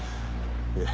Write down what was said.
いえ。